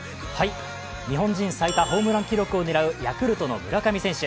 日本人最多ホームラン記録を狙うヤクルトの村上選手。